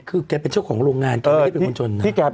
คือแกเป็นเจ้าของโรงงานแกไม่ได้เป็นคนจนนะ